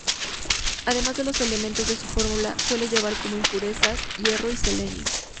Además de los elementos de su fórmula, suele llevar como impurezas: hierro y selenio.